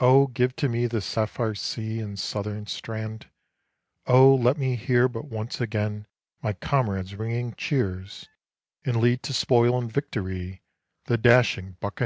Oh, give to me the sapphire sea and southern strand! Oh, let me hear but once again my comrades' ringing cheers, And lead to spoil and victory the dashing buccaneers.